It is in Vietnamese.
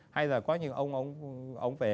hay là có những ông về